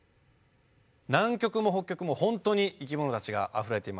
南極も北極も本当に生きものたちがあふれています。